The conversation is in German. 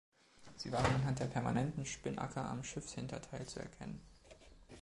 Sie waren anhand der permanenten Spinnacker am Schiffshinterteil zu erkennen.